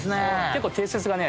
結構定説がね